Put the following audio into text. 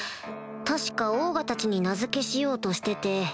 確かオーガたちに名付けしようとしてて